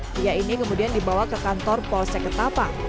pria ini kemudian dibawa ke kantor polsek ketapang